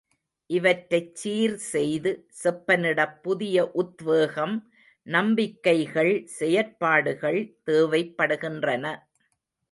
இவற்றைச் சீர் செய்து செப்பனிடப் புதிய உத்வேகம் நம்பிக்கைகள், செயற்பாடுகள் தேவைப்படுகின்றன.